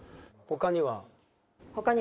他には？